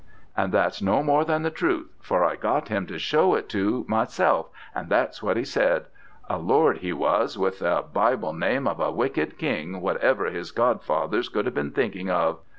And that's no more than the truth, for I got him to show it to myself, and that's what he said. A lord he was, with a Bible name of a wicked king, whatever his godfathers could have been thinking of.'